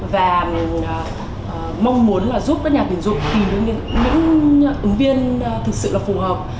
và mong muốn là giúp các nhà tuyển dụng tìm những ứng viên thực sự là phù hợp